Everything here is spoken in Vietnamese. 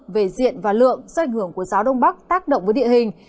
về diện và lượng do ảnh hưởng của gió đông bắc tác động với địa hình